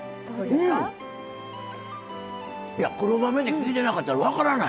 黒豆って聞いてなかったら分からない！